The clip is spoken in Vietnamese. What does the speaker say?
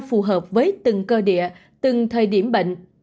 phù hợp với từng cơ địa từng thời điểm bệnh